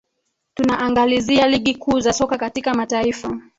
tunaangalizia ligi kuu za soka katika mataifa